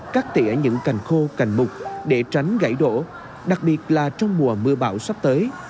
cắt tỉa những cành khô cành mục để tránh gãy đổ đặc biệt là trong mùa mưa bão sắp tới